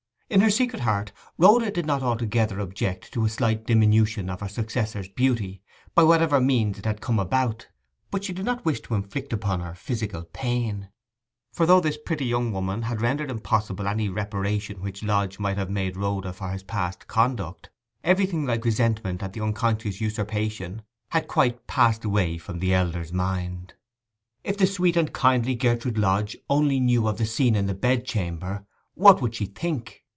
In her secret heart Rhoda did not altogether object to a slight diminution of her successor's beauty, by whatever means it had come about; but she did not wish to inflict upon her physical pain. For though this pretty young woman had rendered impossible any reparation which Lodge might have made Rhoda for his past conduct, everything like resentment at the unconscious usurpation had quite passed away from the elder's mind. If the sweet and kindly Gertrude Lodge only knew of the scene in the bed chamber, what would she think?